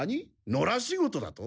野良仕事だと？